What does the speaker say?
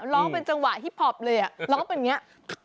ร้องเป็นจังหวะฮิปพอปเลยร้องเป็นอย่างนี้